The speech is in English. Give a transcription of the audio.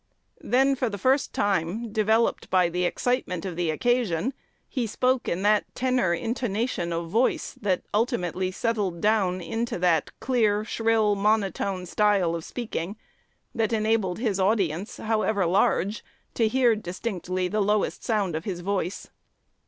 Then, for the first time, developed by the excitement of the occasion, he spoke in that tenor intonation of voice that ultimately settled down into that clear, shrill monotone style of speaking that enabled his audience, however large, to hear distinctly the lowest sound of his voice."